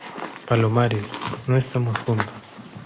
palomares, no estamos juntos.